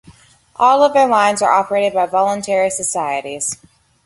All other lines are operated by voluntary societies.